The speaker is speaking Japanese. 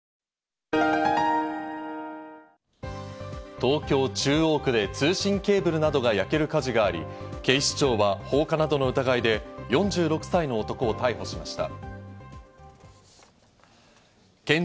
東京・中央区で通信ケーブルなどが焼ける火事があり、警視庁は放火などの疑いで４６歳の男を逮捕しました。